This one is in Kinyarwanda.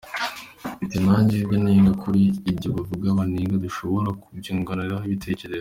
Mfite nanjye ibyo nenga kuri ibyo bavuga banenga, dushobora kubyunguranaho ibitekerezo.